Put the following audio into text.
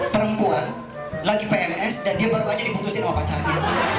perempuan lagi pns dan dia baru aja diputusin sama pacarnya